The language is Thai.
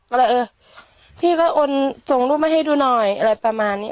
ก็เลยเออพี่ก็โอนส่งรูปมาให้ดูหน่อยอะไรประมาณนี้